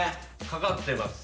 掛かってます。